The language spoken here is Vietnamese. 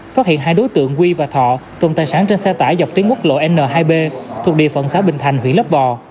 phát hiện hai đối tượng huy và thọ trong tài sản trên xe tải dọc tuyến quốc lộ n hai b thuộc địa phận sáu bình thành hủy lấp bò